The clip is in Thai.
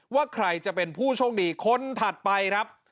ว่าใครจะเป็นผู้โชคดีคนถัดไปครับ